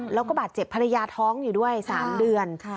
แล้วก็บาดเจ็บภรรยาท้องอยู่ด้วย๓เดือน